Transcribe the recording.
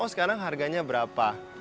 oh sekarang harganya berapa